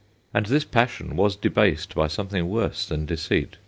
And this passion was debased by some thing worse than deceit.